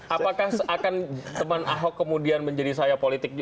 apakah akan teman ahok kemudian menjadi saya politik